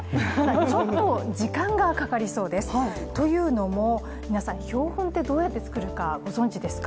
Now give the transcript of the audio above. ちょっと時間がかかりそうです、というのも皆さん、標本ってどう作るかご存じですか？